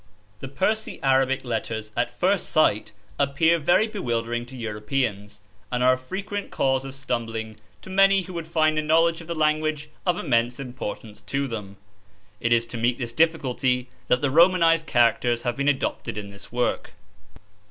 THE Persi Arabic letters at first sight appear very be wildering to Europeans, and are a frequent cause of stumbling to many who would find a knowledge of the language of immense importance to them. It is to meet this difficulty that the Romanized characters have been adopted in this work.